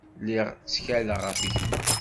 Lliɣ ttkaleɣ ɣef gma.